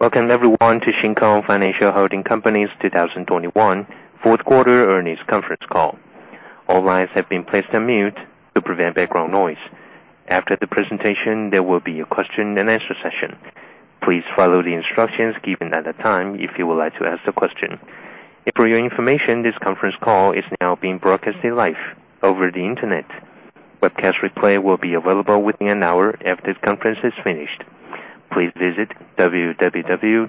Welcome everyone to Shin Kong Financial Holding Company's 2021 Q4 Earnings Conference Call. All lines have been placed on mute to prevent background noise. After the presentation, there will be a question and answer session. Please follow the instructions given at that time if you would like to ask the question. For your information, this conference call is now being broadcasted live over the Internet. Webcast replay will be available within an hour after the conference is finished. Please visit www.skfh.com.tw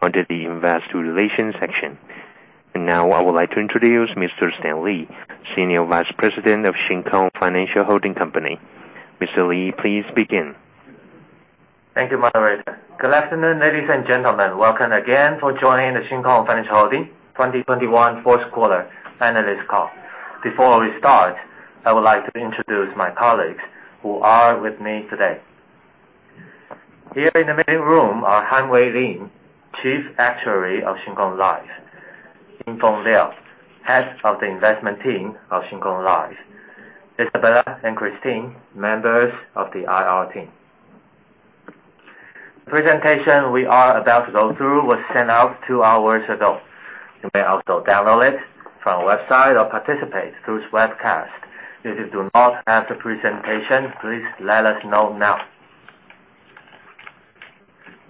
under the Investor Relations section. Now, I would like to introduce Mr. Stan Lee, Senior Vice President of Shin Kong Financial Holding Company. Mr. Lee, please begin. Thank you, moderator. Good afternoon, ladies and gentlemen. Welcome again for joining the Shin Kong Financial Holding 2021 Q4 analyst call. Before we start, I would like to introduce my colleagues who are with me today. Here in the meeting room are Hanwei Lin, Chief Actuary of Shin Kong Life; Jingfeng Liao, Head of the Investment Team of Shin Kong Life; Isabella and Christine, members of the IR team. The presentation we are about to go through was sent out two hours ago. You may also download it from our website or participate through this webcast. If you do not have the presentation, please let us know now.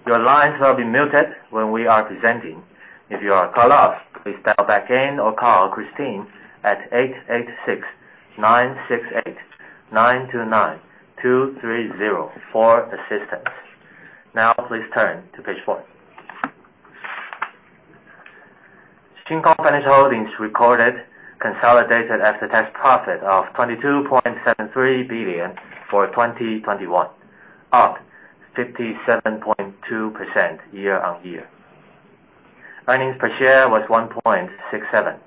Your lines will be muted when we are presenting. If you are cut off, please dial back in or call Christine at 886-9689-29230 for assistance. Now please turn to page one. Shin Kong Financial Holding Company recorded consolidated after-tax profit of 22.73 billion for 2021, up 57.2% year-on-year. Earnings per share was 1.67.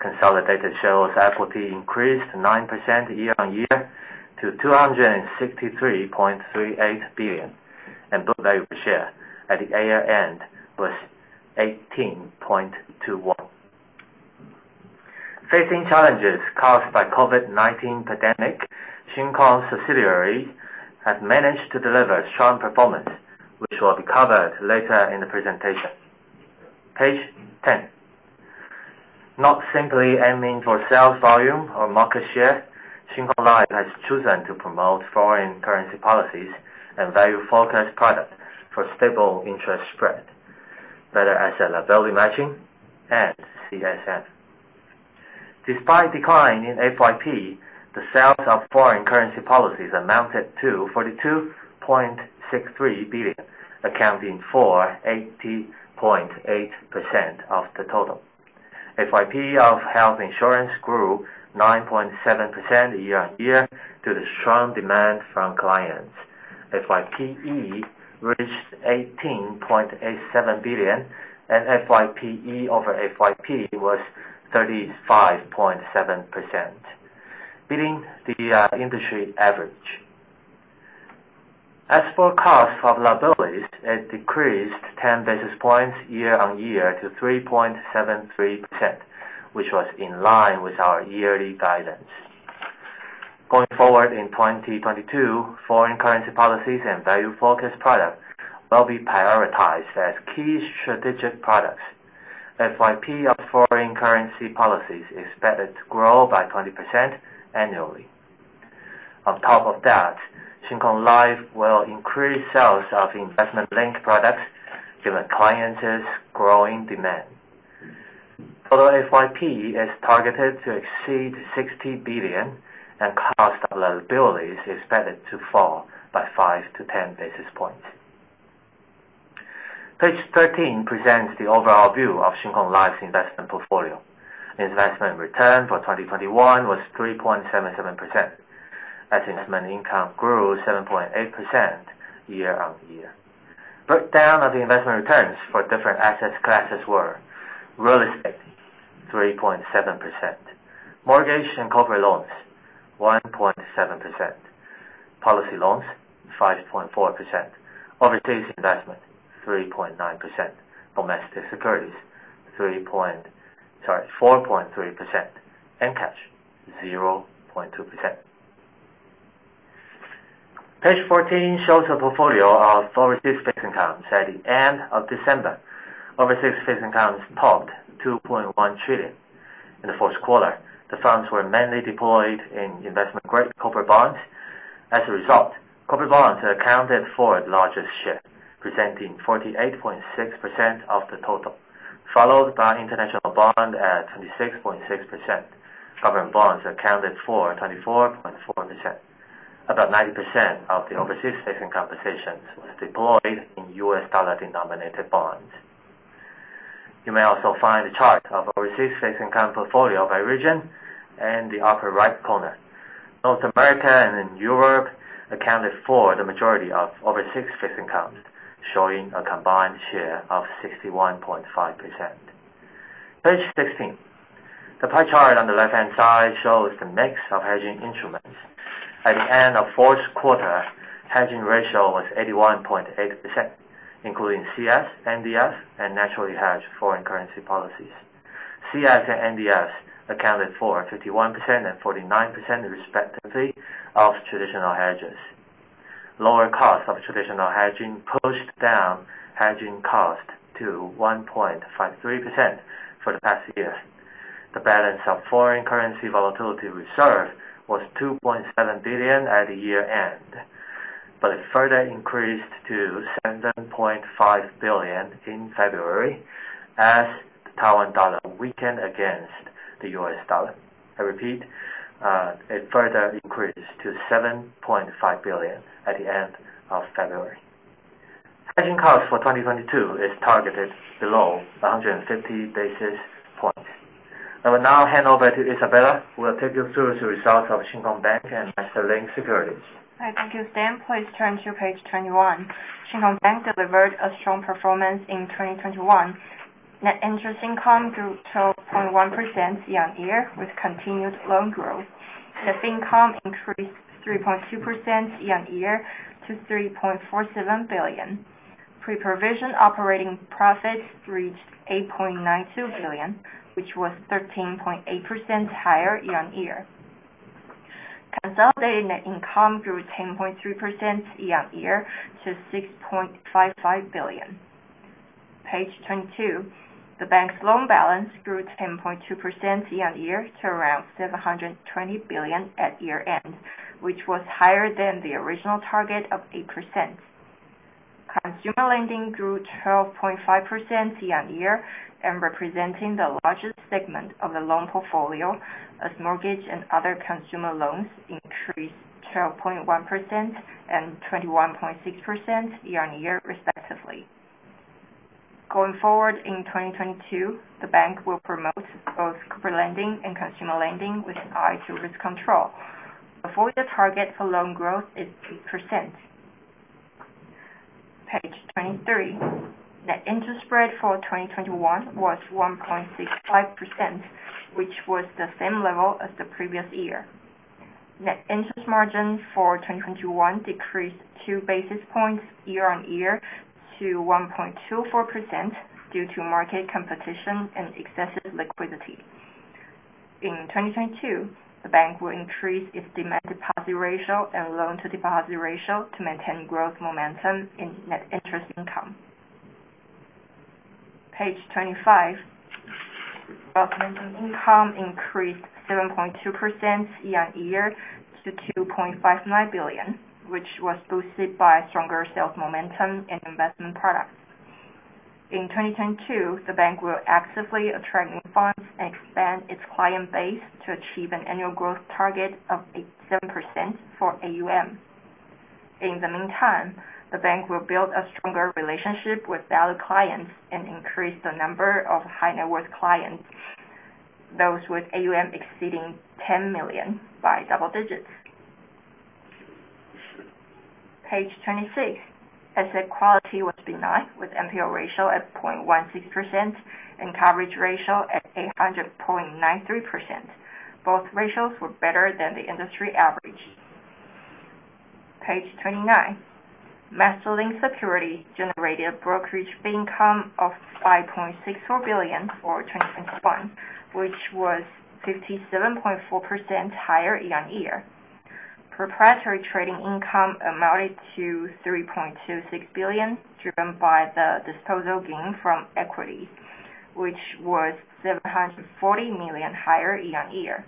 Consolidated shareholders' equity increased 9% year-on-year to 263.38 billion. Book value per share at the year-end was 18.21. Facing challenges caused by COVID-19 pandemic, Shin Kong subsidiaries have managed to deliver strong performance, which will be covered later in the presentation. Page ten. Not simply aiming for sales volume or market share, Shin Kong Life has chosen to promote foreign currency policies and value-focused products for stable interest spread, better asset liability matching and CSM. Despite decline in FYP, the sales of foreign currency policies amounted to 42.63 billion, accounting for 80.8% of the total. FYP of health insurance grew 9.7% year-on-year due to strong demand from clients. FYPE reached 18.87 billion and FYPE over FYP was 35.7%, beating the industry average. As for cost of liabilities, it decreased 10 basis points year-on-year to 3.73%, which was in line with our yearly guidance. Going forward in 2022, foreign currency policies and value-focused product will be prioritized as key strategic products. FYP of foreign currency policies is expected to grow by 20% annually. On top of that, Shin Kong Life will increase sales of investment-linked products given clients' growing demand. Total FYP is targeted to exceed 60 billion, and cost of liabilities is expected to fall by 5 basis points to 10 basis points. Page 13 presents the overall view of Shin Kong Life's investment portfolio. Investment return for 2021 was 3.77% as investment income grew 7.8% year-on-year. Breakdown of the investment returns for different asset classes were real estate, 3.7%; mortgage and corporate loans, 1.7%; policy loans, 5.4%; overseas investment, 3.9%; domestic securities, 4.3%; and cash, 0.2%. Page 14 shows a portfolio of overseas fixed income at the end of December. Overseas fixed income topped 2.1 trillion. In the fourth quarter, the funds were mainly deployed in investment-grade corporate bonds. As a result, corporate bonds accounted for the largest share, presenting 48.6% of the total, followed by international bond at 26.6%. Government bonds accounted for 24.4%. About 90% of the overseas fixed income positions was deployed in US dollar-denominated bonds. You may also find a chart of overseas fixed income portfolio by region in the upper right corner. North America and Europe accounted for the majority of overseas fixed income, showing a combined share of 61.5%. Page sixteen. The pie chart on the left-hand side shows the mix of hedging instruments. At the end of fourth quarter, hedging ratio was 81.8%, including CS, NDS, and naturally hedged foreign currency policies. CS and NDS accounted for 51% and 49% respectively of traditional hedges. Lower cost of traditional hedging pushed down hedging cost to 1.53% for the past year. The balance of foreign currency volatility reserve was 2.7 billion at the year-end, but it further increased to 7.5 billion in February as the Taiwan dollar weakened against the U.S. dollar. I repeat, it further increased to 7.5 billion at the end of February. Hedging cost for 2022 is targeted below 150 basis points. I will now hand over to Isabella, who will take you through the results of Shin Kong Bank and MasterLink Securities. Hi. Thank you, Stan. Please turn to Page 21. Shin Kong Bank delivered a strong performance in 2021. Net interest income grew 12.1% year-on-year with continued loan growth. Net fee income increased 3.2% year-on-year to 3.47 billion. Pre-provision operating profit reached 8.92 billion, which was 13.8% higher year-on-year. Consolidated net income grew 10.3% year-on-year to 6.55 billion. Page 22, the bank's loan balance grew 10.2% year-on-year to around 720 billion at year-end, which was higher than the original target of 8%. Consumer lending grew 12.5% year on year, representing the largest segment of the loan portfolio as mortgage and other consumer loans increased 12.1% and 21.6% year on year respectively. Going forward in 2022, the bank will promote both corporate lending and consumer lending with an eye to risk control. The full year target for loan growth is 8%. Page 23. Net interest spread for 2021 was 1.65%, which was the same level as the previous year. Net interest margin for 2021 decreased 2 basis points year on year to 1.24% due to market competition and excessive liquidity. In 2022, the bank will increase its demand deposit ratio and loan-to-deposit ratio to maintain growth momentum in net interest income. Page 25. Wealth management income increased 7.2% year-on-year to 2.59 billion, which was boosted by stronger sales momentum in investment products. In 2022, the bank will actively attract new funds and expand its client base to achieve an annual growth target of 87% for AUM. In the meantime, the bank will build a stronger relationship with valued clients and increase the number of high net worth clients, those with AUM exceeding 10 million by double digits. Page 26. Asset quality was benign, with NPL ratio at 0.16% and coverage ratio at 800.93%. Both ratios were better than the industry average. Page 29. MasterLink Securities generated brokerage fee income of 5.64 billion for 2021, which was 57.4% higher year-on-year. Proprietary trading income amounted to 3.26 billion, driven by the disposal gain from equity, which was 740 million higher year-over-year.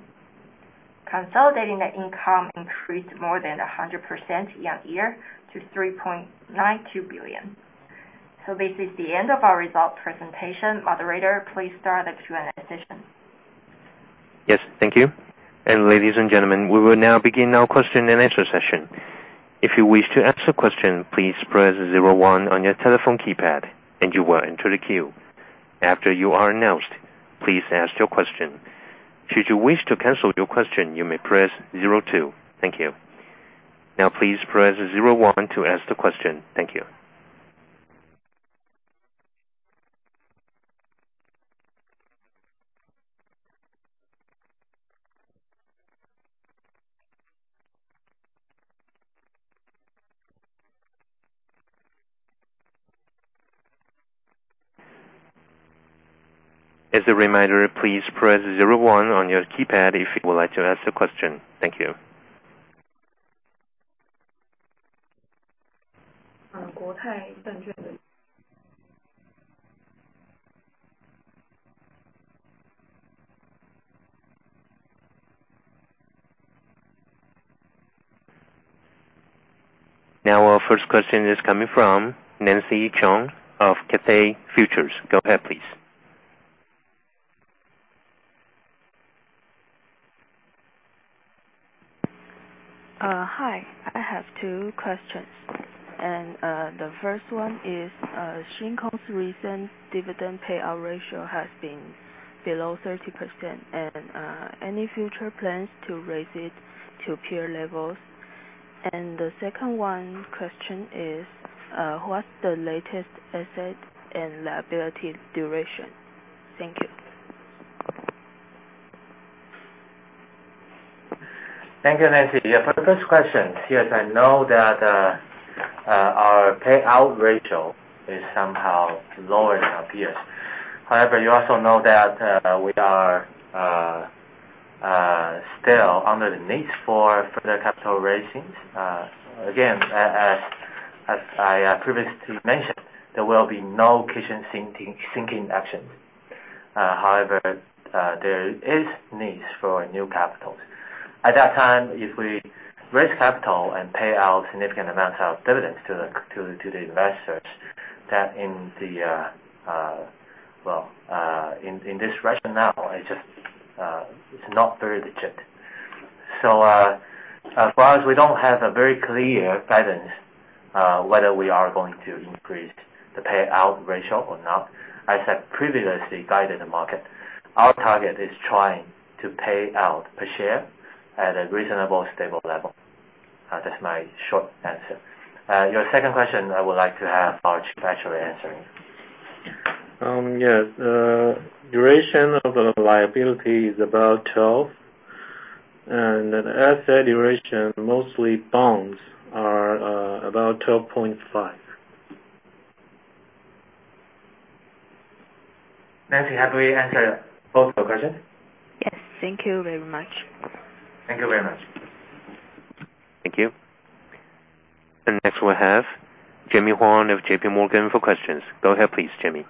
Consolidating net income increased more than 100% year-over-year to 3.92 billion. This is the end of our result presentation. Moderator, please start the Q&A session. Yes, thank you. Ladies and gentlemen, we will now begin our question and answer session. If you wish to ask a question, please press zero one on your telephone keypad and you will enter the queue. After you are announced, please ask your question. Should you wish to cancel your question, you may press zero two. Thank you. Now, please press zero one to ask the question. Thank you. As a reminder, please press zero one on your keypad if you would like to ask a question. Thank you. Now our first question is coming from Nancy Chung of Cathay Securities. Go ahead, please. Hi. I have two questions. The first one is, Shin Kong's recent dividend payout ratio has been below 30%. Any future plans to raise it to peer levels? The second question is, what's the latest asset and liability duration? Thank you. Thank you, Nancy. Yeah, for the first question, yes, I know that our payout ratio is somehow lower than our peers. However, you also know that we are still under the need for further capital raisings. Again, as I previously mentioned, there will be no kitchen sinking actions. However, there is needs for new capitals. At that time, if we raise capital and pay out significant amounts of dividends to the investors, that in this rationale, it just it's not very legit. As far as we don't have a very clear guidance whether we are going to increase the payout ratio or not, as I previously guided the market, our target is trying to pay out a share at a reasonable stable level. That's my short answer. Your second question, I would like to have Arch actually answer it. Yes. Duration of the liability is about 12 years. Asset duration, mostly bonds are, about 12.5 years. Nancy, have we answered both your question? Yes. Thank you very much. Thank you very much. Thank you. Next we have Jemmy Huang of JPMorgan for questions. Go ahead please, Jemmy.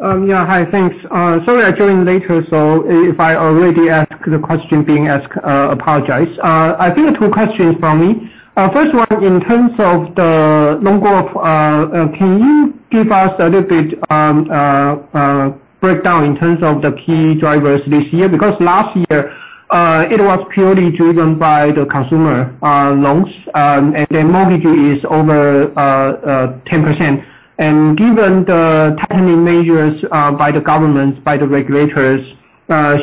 Yeah. Hi. Thanks. Sorry I joined later, so if I already asked the question being asked, apologize. I think two questions from me. First one, in terms of the loan growth, can you give us a little bit breakdown in terms of the key drivers this year? Because last year, it was purely driven by the consumer loans, and the mortgage is over 10%. Given the tightening measures by the governments, by the regulators,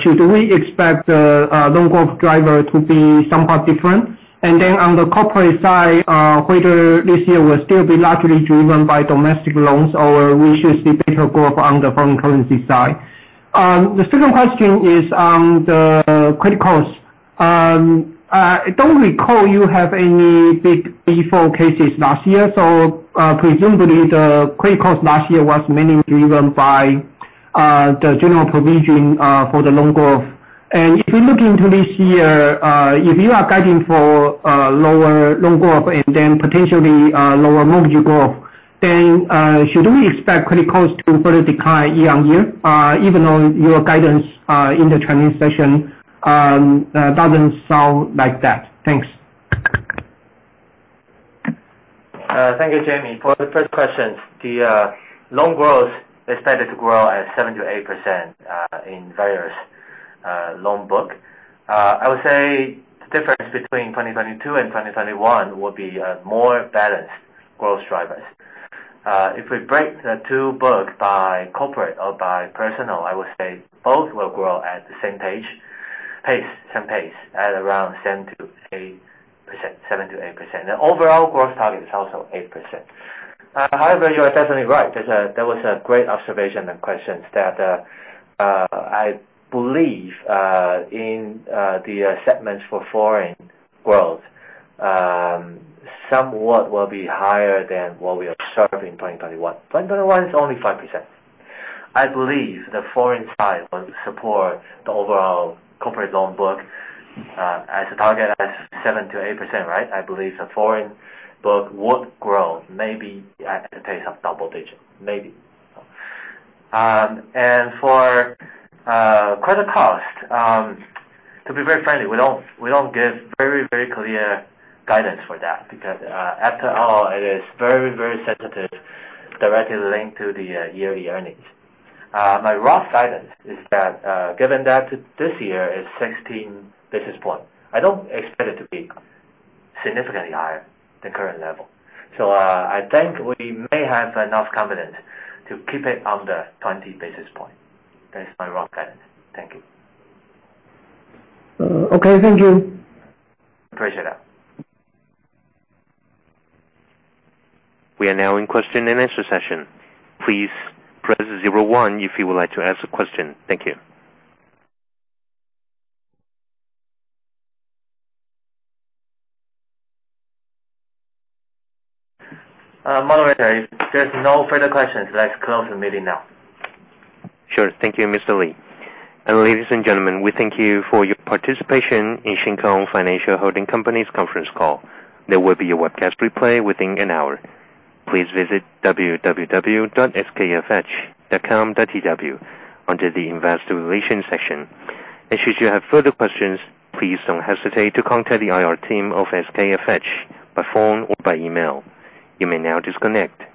should we expect the loan growth driver to be somewhat different? Then on the corporate side, whether this year will still be largely driven by domestic loans or we should see better growth on the foreign currency side. The second question is on the credit cost. I don't recall you have any big default cases last year. Presumably the credit cost last year was mainly driven by the general provision for the loan growth. If we look into this year, if you are guiding for lower loan growth and then potentially lower mortgage growth, then should we expect credit costs to further decline year on year? Even though your guidance in the training session doesn't sound like that. Thanks. Thank you, Jimmy. For the first question, the loan growth is expected to grow at 7%-8% in various loan book. I would say the difference between 2022 and 2021 will be more balanced growth drivers. If we break the two book by corporate or by personal, I would say both will grow at the same pace at around 7%-8%. The overall growth target is also 8%. However, you are definitely right. That was a great observation and questions that I believe in the segments for foreign growth somewhat will be higher than what we observed in 2021. 2021 is only 5%. I believe the foreign side will support the overall corporate loan book as a target at 7%-8%, right? I believe the foreign book would grow maybe at a pace of double-digit, maybe. For credit cost to be very friendly, we don't give very clear guidance for that because after all, it is very sensitive, directly linked to the yearly earnings. My rough guidance is that given that this year is 16 basis points, I don't expect it to be significantly higher than current level. I think we may have enough confidence to keep it under 20 basis points. That is my rough guidance. Thank you. Okay. Thank you. Appreciate that. We are now in question and answer session. Please press zero one if you would like to ask a question. Thank you. Moderator, if there's no further questions, let's close the meeting now. Sure. Thank you, Mr. Lee. Ladies and gentlemen, we thank you for your participation in Shin Kong Financial Holding Company's conference call. There will be a webcast replay within an hour. Please visit www.skfh.com.tw under the investor relations section. Should you have further questions, please don't hesitate to contact the IR team of SKFH by phone or by email. You may now disconnect. Goodbye.